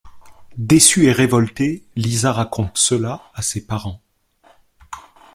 Déçue et révoltée, Lisa raconte cela à ses parents.